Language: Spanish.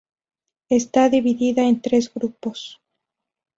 Está dividida en tres grupos.